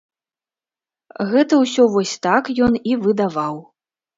Гэта ўсё вось так ён і выдаваў.